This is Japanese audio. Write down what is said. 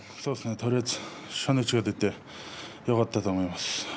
とりあえず初日が出てよかったと思います。